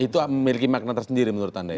itu memiliki makna tersendiri menurut anda